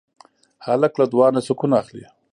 هلک له دعا نه سکون اخلي.